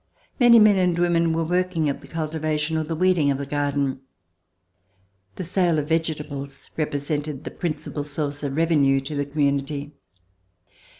Many men and women were working at the cultivation or the weeding of the garden. The sale of vegetables represented the principal source of revenue to the community.